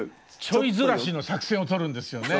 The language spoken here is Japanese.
ちょいずらしの作戦をとるんですよね。